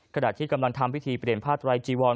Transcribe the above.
ขณะที่กำลังทำพิธีเปลี่ยนผ้าไตรจีวอน